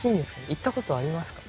行ったことありますか？